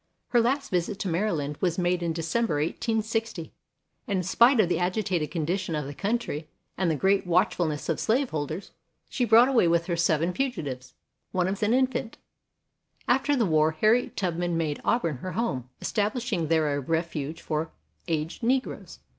Her last visit to Maryland was made in December, 1860, and in spite of the agitated condition of the country and the great watchfulness of slaveholders she brought away with her seven fugitives, one of them an infant. After the war Harriet Tubman made Auburn her home, establishing there a ref uge for aged Negroes.